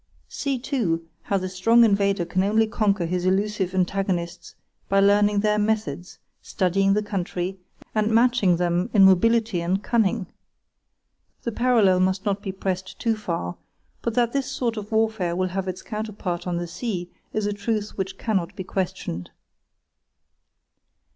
See, too, how the strong invader can only conquer his elusive antagonists by learning their methods, studying the country, and matching them in mobility and cunning. The parallel must not be pressed too far; but that this sort of warfare will have its counterpart on the sea is a truth which cannot be questioned.